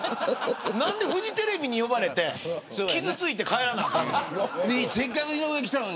何でフジテレビに呼ばれて傷ついて帰らなあかんの。